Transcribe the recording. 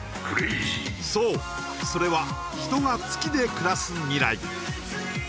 そうそれは人が月で暮らす未来